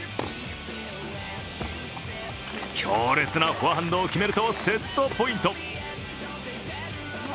強烈なフォアハンドを決めるとセットポイント。